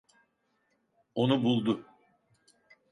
Onu buldu.